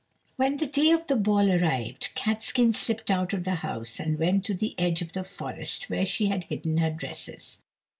When the day of the ball arrived, Catskin slipped out of the house and went to the edge of the forest where she had hidden her dresses.